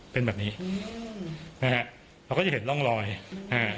เป็นแบบนี้อืมนะฮะเขาก็จะเห็นร่องรอยอ่า